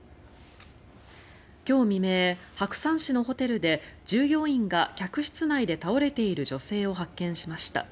今日未明、白山市のホテルで従業員が客室内で倒れている女性を発見しました。